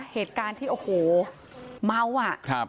เหตุการณ์ที่โอ้โหเมาอ่ะครับ